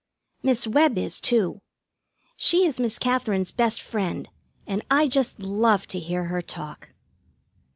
Miss Webb is, too. She is Miss Katherine's best friend, and I just love to hear her talk.